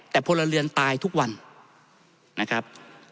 แต่พลเรือนตายทุกวันนะครับ